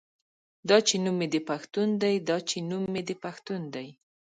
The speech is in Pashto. دا چې نوم مې د پښتون دے دا چې نوم مې د پښتون دے